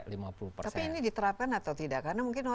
tapi ini diterapkan atau tidak